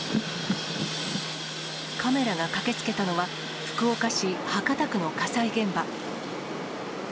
カメラが駆けつけたのは、福岡市博多区の火災現場。